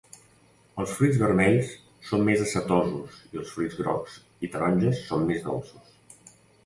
Els fruits vermells són més acetosos i els fruits grocs i taronges són més dolços.